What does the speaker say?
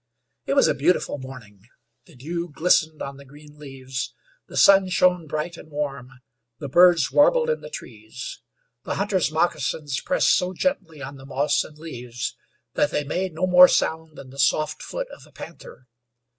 It was a beautiful morning; the dew glistened on the green leaves, the sun shone bright and warm, the birds warbled in the trees. The hunter's moccasins pressed so gently on the moss and leaves that they made no more sound than the soft foot of a panther.